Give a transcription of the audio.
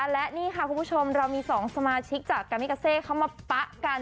และนี่ค่ะคุณผู้ชมเรามี๒สมาชิกจากกามิกาเซเข้ามาปะกัน